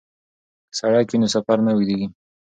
که سړک وي نو سفر نه اوږدیږي.